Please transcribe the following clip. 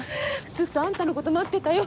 ずっとあんたのこと待ってたよ。